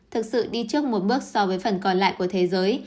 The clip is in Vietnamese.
thực sự đi trước một bước so với phần còn lại của thế giới